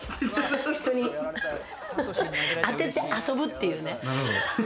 人に当てて遊ぶっていうね。